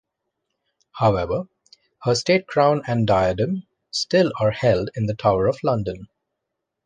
However her state crown and diadem still are held in the Tower of London.